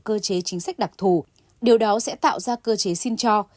cơ chế chính sách đặc thù điều đó sẽ tạo ra cơ chế xin cho